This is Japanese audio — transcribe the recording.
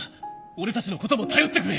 俺たちのことも頼ってくれ！